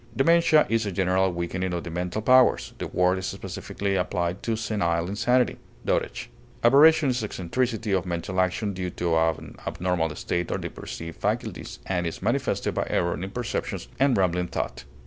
Dementia is a general weakening of the mental powers: the word is specifically applied to senile insanity, dotage. Aberration is eccentricity of mental action due to an abnormal state of the perceptive faculties, and is manifested by error in perceptions and rambling thought.